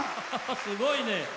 すごいね！